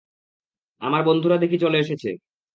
আমার বন্ধুরা দেখি চলে এসেছে!